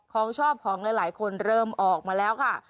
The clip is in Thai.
ของชอบของหลายคนเริ่มออกมาแล้วค่ะ